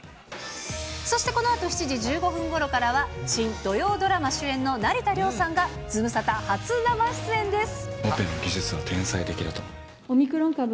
そしてこのあと７時１５分ごろからは、新土曜ドラマ主演の成田凌僕の技術は天才的だと思う。